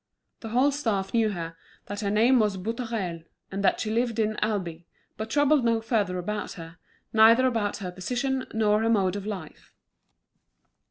The whole staff knew her, that her name was Boutarel, and that she lived at Albi, but troubled no further about her, neither about her position nor her mode of life.